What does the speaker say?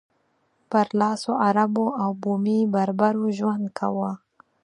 برلاسو عربو او بومي بربرو ژوند کاوه.